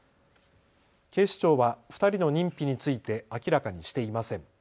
警視庁は２人の認否について明らかにしていません。